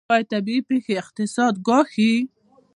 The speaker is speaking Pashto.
آیا طبیعي پیښې اقتصاد ګواښي؟